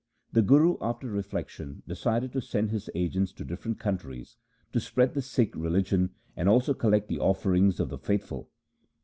The Guru, after reflection, decided to send his agents to different countries to spread the Sikh religion and also collect the offerings of the faithful.